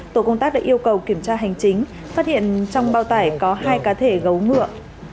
tổ công tác đã yêu cầu kiểm tra hành chính phát hiện trong bao tải có hai cá thể gấu ngựa